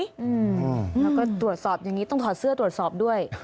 แล้วก็ตรวจสอบอย่างนี้ต้องถอดเสื้อตรวจสอบด้วย